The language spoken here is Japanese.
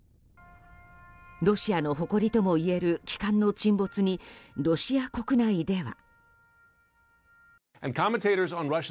ロシアの誇りともいえる旗艦の沈没にロシア国内では。